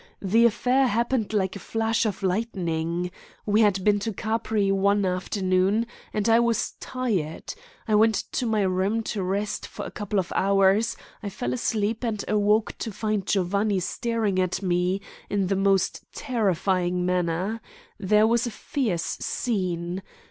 The affair happened like a flash of lightning. We had been to Capri one afternoon, and I was tired. I went to my room to rest for a couple of hours, fell asleep, and awoke to find Giovanni staring at me in the most terrifying manner. There was a fierce scene.